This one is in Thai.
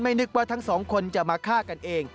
ไม่นึกว่าทั้ง๒คนจะมาฆ่ากันเอง